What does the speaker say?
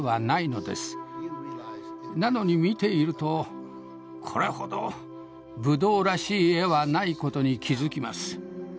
なのに見ているとこれほどブドウらしい絵はない事に気づきます。